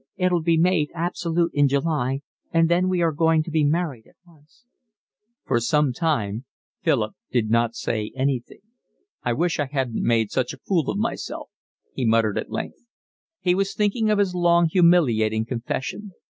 It'll be made absolute in July, and then we are going to be married at once." For some time Philip did not say anything. "I wish I hadn't made such a fool of myself," he muttered at length. He was thinking of his long, humiliating confession.